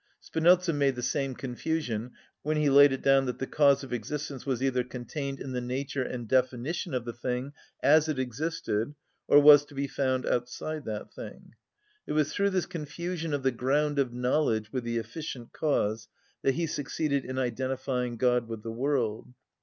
Spinoza made the same confusion when he laid it down that the cause of existence was either contained in the nature and definition of the thing as it existed, or was to be found outside that thing. It was through this confusion of the ground of knowledge with the efficient cause that he succeeded in identifying God with the world.